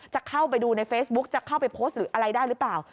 จะเข้าไปดูในเฟซบุ๊กจะเข้าไปโพสต์หรืออะไรได้หรือเปล่า